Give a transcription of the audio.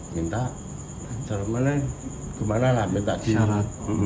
minta caranya gimana lah minta isyarat